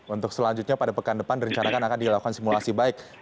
untuk selanjutnya pada pekan depan direncanakan akan dilakukan simulasi baik